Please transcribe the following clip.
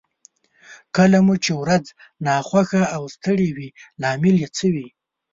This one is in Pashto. کله مو چې ورځ ناخوښه او ستړې وي لامل يې څه وي؟